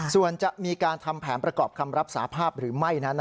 ส่วนจะมีการทำแผนประกอบคำรับสาภาพหรือไม่นั้น